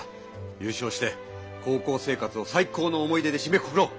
ゆうしょうして高校生活を最高の思い出でしめくくろう！